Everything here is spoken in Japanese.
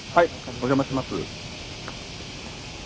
お邪魔します。